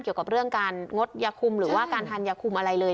เกี่ยวกับเรื่องการงดยาคุมหรือว่าการทานยาคุมอะไรเลย